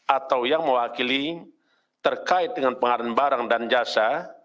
atau yang mewakili terkait dengan pengadaan barang dan jasa